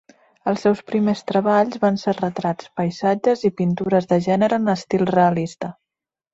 Els seus primers treballs van ser retrats, paisatges i pintures de gènere en estil realista.